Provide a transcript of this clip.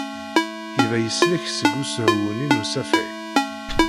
Yuba yeslek seg usehwu-nni n usafag.